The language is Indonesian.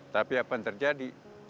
tapi apa yang terjadi